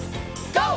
ＧＯ！